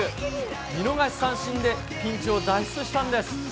見逃し三振でピンチを脱出したのです。